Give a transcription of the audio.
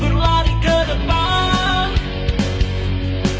berlari ke depan